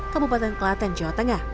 kabupaten kelaten jawa tengah